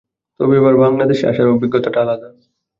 তবে এবার বাংলাদেশে আসার অভিজ্ঞতাটা আলাদা।